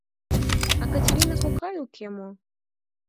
— А Катерина кокай уке мо?